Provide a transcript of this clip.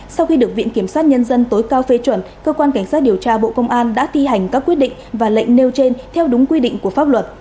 sau khi được viện kiểm sát nhân dân tối cao phê chuẩn cơ quan cảnh sát điều tra bộ công an đã thi hành các quyết định và lệnh nêu trên theo đúng quy định của pháp luật